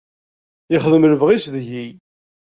Yexdem lebɣi-s deg-i.